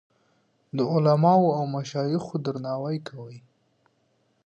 د علماوو او مشایخو درناوی کاوه.